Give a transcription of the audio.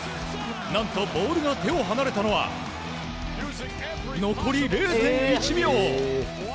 何とボールが手を離れたのは残り０．１秒！